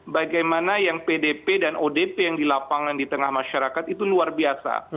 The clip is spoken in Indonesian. bagaimana yang pdp dan odp yang di lapangan di tengah masyarakat itu luar biasa